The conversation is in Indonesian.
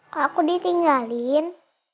kok aku ditinggalin